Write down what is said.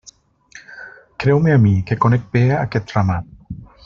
Creu-me a mi, que conec bé aquest ramat.